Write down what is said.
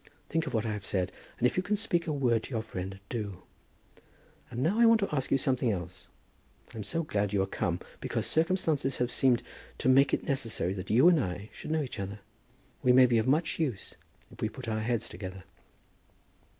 Think of what I have said, and if you can speak a word to your friend, do. And now I want to ask you something else. I'm so glad you are come, because circumstances have seemed to make it necessary that you and I should know each other. We may be of so much use if we put our heads together."